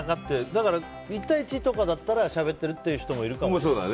だから、１対１とかならしゃべってるという人はいるかもしれない。